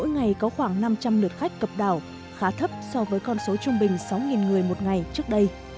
ngày có khoảng năm trăm linh lượt khách cập đảo khá thấp so với con số trung bình sáu người một ngày trước đây